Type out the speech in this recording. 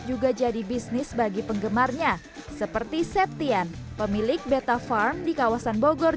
juga jadi bisnis bagi penggemarnya seperti septian pemilik betaparm di kawasan bogor